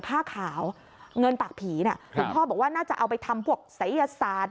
ผ้าขาวเงินปากผีน่ะคุณพ่อบอกว่าน่าจะเอาไปทำพวกศัยศาสตร์